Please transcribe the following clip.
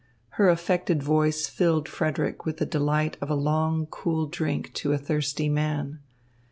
Her affected voice filled Frederick with the delight of a long, cool drink to a thirsty man.